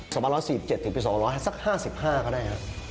สมัย๑๔๗๒๐๐สัก๕๕ก็ได้